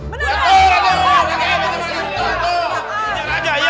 benar pak tiai